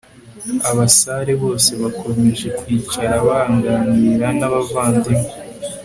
abasare bose bakomeje kwicara baganira n abavandimwe